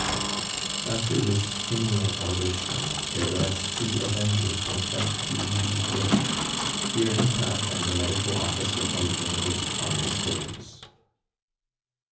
After this funeral oration, Peyrade's two avengers went back to Lydie's room, hearing Katt and the medical officer from the Mairie on the stairs.